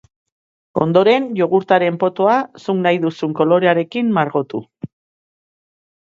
Ondoren, jogurtaren potoa zuk nahi duzun kolorearekin margotu.